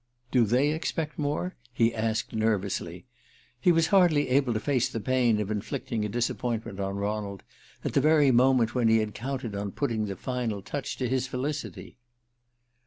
"Do they expect more?" he asked nervously. He was hardly able to face the pain of inflicting a disappointment on Ronald at the very moment when he had counted on putting the final touch to his felicity.